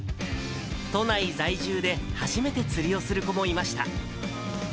都内在住で初めて釣りをする子もいました。